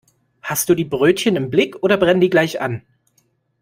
Hast du die Brötchen im Blick oder brennen die gleich an?